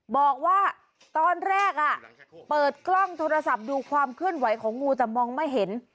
บอกว่าตอนแรกเปิดกล้องโทรศัพท์ดูความเคลื่อนไหวของงูแต่มองไม่เห็น